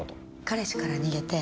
彼氏から逃げて。